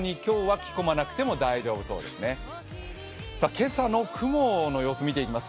今朝の雲の様子を見ていきます。